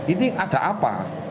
ini ada apa